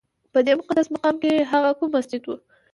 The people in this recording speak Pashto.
په دې مقدس مقام کې هغه کوم مسجد و؟